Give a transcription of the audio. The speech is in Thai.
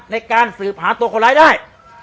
ในการสืบหาตัวคนร้ายได้